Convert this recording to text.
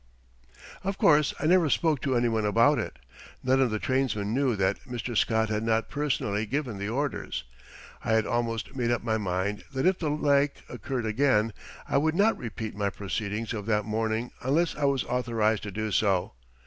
Of course I never spoke to any one about it. None of the trainmen knew that Mr. Scott had not personally given the orders. I had almost made up my mind that if the like occurred again, I would not repeat my proceeding of that morning unless I was authorized to do so.